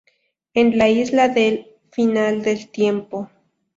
En la Isla de Final del Tiempo.